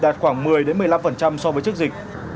đạt khoảng một mươi một mươi năm so với trước dịch